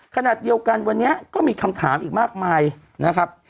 ขณะเดียวกันวันนี้ก็มีคำถามอีกมากมายนะครับ